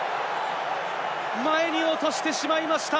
前に落としてしまいました！